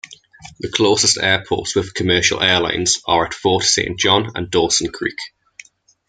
The closest airports with commercial airlines are at Fort Saint John and Dawson Creek.